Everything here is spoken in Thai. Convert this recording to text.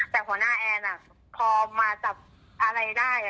แต่หัวหน้าแอนพอมาจับอะไรได้